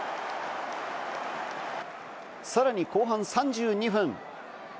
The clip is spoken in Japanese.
さらに後半３２分。